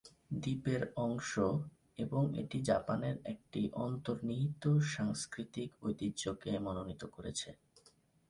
দ্বীপের অংশ এবং এটি জাপানের একটি অন্তর্নিহিত সাংস্কৃতিক ঐতিহ্যকে মনোনীত করেছে।